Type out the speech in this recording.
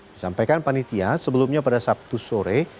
disampaikan panitia sebelumnya pada sabtu sore